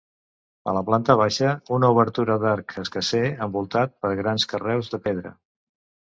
A la planta baixa, una obertura d'arc escarser envoltat per grans carreus de pedra.